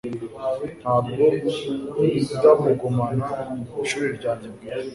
ntabwo ndamugumana, ishuri ryanjye bwite